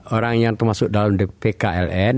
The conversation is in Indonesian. orang yang termasuk dalam dpk ln